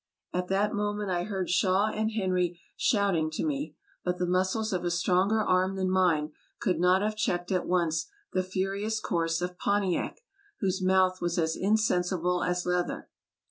At that moment I heard Shaw and Henry shouting to me ; but the muscles of a stronger arm than mine could not have checked at once the furious course of Pontiac, whose mouth was as insensible as leather.